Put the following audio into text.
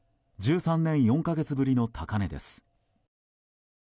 １３年４か月ぶりの高値です。